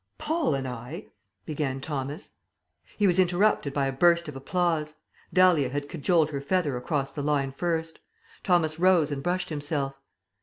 "Paul and I " began Thomas. He was interrupted by a burst of applause. Dahlia had cajoled her feather over the line first. Thomas rose and brushed himself.